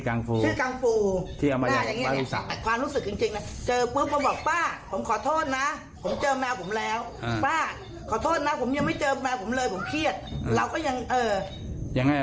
ถ้าใช่มึงก็เอาไปถ้าไม่ใช่ก็เรื่องมึงต่างกับผู้ของมันอย่างเงี้ย